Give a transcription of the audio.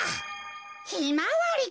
ひまわりか。